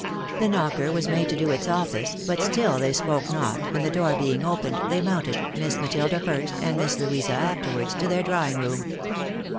The knocker was made to do its office, but stiU they spoke not, and the door being opened, they mounted, Miss Matilda first, and ]\Iiss Louisa afterwards, to their drawing room.